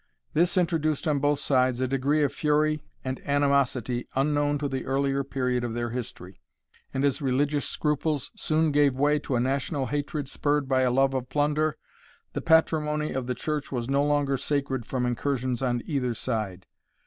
This introduced on both sides a degree of fury and animosity unknown to the earlier period of their history; and as religious scruples soon gave way to national hatred spurred by a love of plunder, the patrimony of the Church was no longer sacred from incursions on either side.